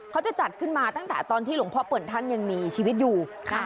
เขาจะจัดขึ้นมาตั้งแต่ตอนที่หลวงพ่อเปิ่นท่านยังมีชีวิตอยู่